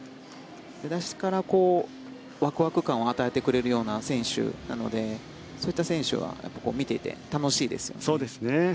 出だしからワクワク感を与えてくれるような選手なのでそういった選手は見ていて楽しいですよね。